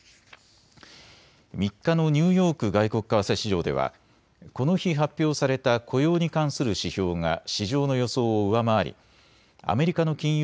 ３日のニューヨーク外国為替市場ではこの日発表された雇用に関する指標が市場の予想を上回りアメリカの金融